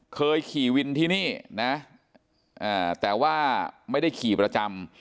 เคยขี่วินที่นี่นะแต่ว่าไม่ได้ขี่ประจำ